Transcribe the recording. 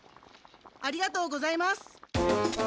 ありがとうございます。